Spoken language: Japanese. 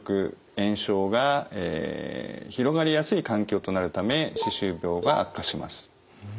炎症が広がりやすい環境となるため歯周病が悪化します。